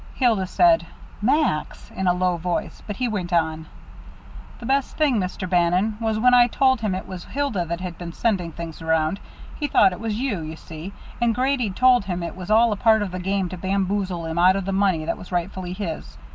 Hilda said, "Max," in a low voice, but he went on: "The best thing, Mr. Bannon, was when I told him it was Hilda that had been sending things around. He thought it was you, you see, and Grady'd told him it was all a part of the game to bamboozle him out of the money that was rightfully his.